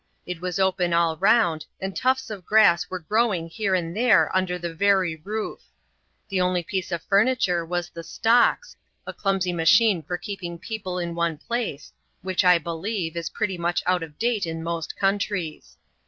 It was open all round, and tufts of grass were growing here and there under the very roof. The only piece of furniture was the "stocks," a clumsy machine for keeping people in one place, which, I believe, is pretty much out of date in most countries.